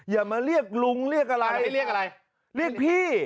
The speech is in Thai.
อย่ามาเรียกลุงเรียกอะไรเรียกพี่